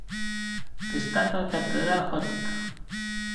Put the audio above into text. Destaca a catedral gótica.